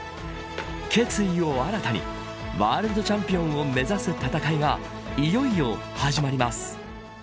決意を新たにワールドチャンピオンを目指す戦いがいよいよ始まります。